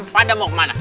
pada mau kemana